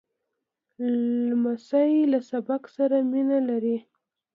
لمسی له سبق سره مینه لري.